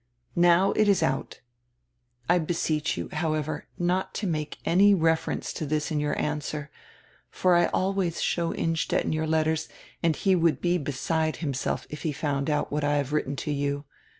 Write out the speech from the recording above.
Now it is out I beseech you, however, not to make any reference to this in your answer, for I always show Innstetten your letters and he would be beside him self if he found out what I have written to you.